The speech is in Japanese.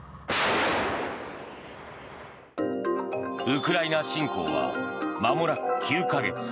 ウクライナ侵攻からまもなく９か月。